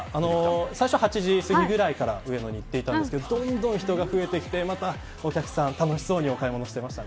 最初８時すぎぐらいから上野に行っていましたがどんどん人が増えてきてお客さん、楽しそうにお買い物していました。